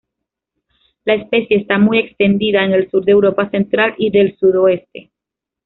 La especie está muy extendida en el sur de Europa Central y del Sudoeste.